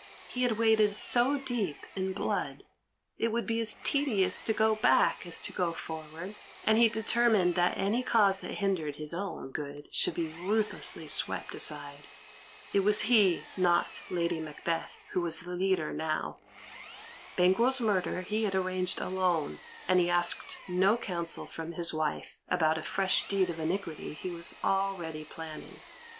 He had waded so deep in blood, it would be as tedious to go back as to go forward, and he determined that any cause that hindered his own good should be ruthlessly swept aside. It was he, not Lady Macbeth, who was the leader now. Banquo's murder he had arranged alone, and he asked no counsel from his wife about a fresh deed of iniquity he was already planning.